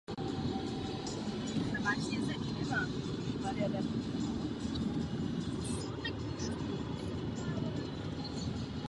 Jako jeden z prvních autorů dokázal ocenit vizuální znaky barokního stylu.